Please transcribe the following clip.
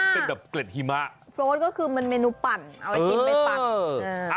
โฟร์ดก็คือมันเมนูปั่นเอาไอ้จิ้มไปปั่น